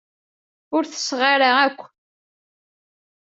Ur tesseɣ ara akk.